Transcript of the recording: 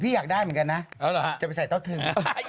อยากได้เหมือนกันนะจะไปใส่เต้าถึง